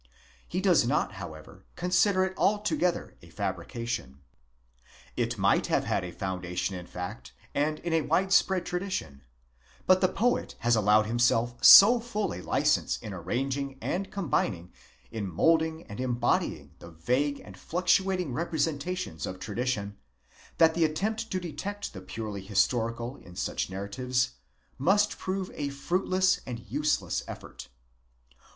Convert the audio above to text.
He does not however consider it altogether a fabri cation. It might have had a foundation in fact, and in a widespread tradition ; but the poet has allowed himself so full a license in arranging, and combining, in moulding and embodying the vague and fluctuating representations of tra dition, that the attempt to detect the purely historical in such narratives, must prove a fruitless and useless effort.